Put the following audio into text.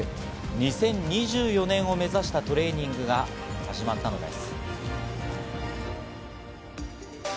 ２０２４年を目指したトレーニングが始まったのです。